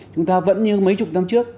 chúng ta vẫn như mấy chục năm trước